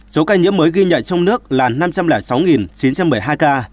số ca nhiễm mới ghi nhận trong nước là năm trăm linh sáu chín trăm một mươi hai ca